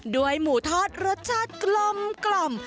ด้วยหมูทอดรสชาติกลมกล่อม